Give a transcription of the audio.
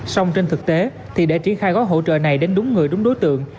xong trên thực tế thì để triển khai gói hỗ trợ này đến đúng người đúng đối tượng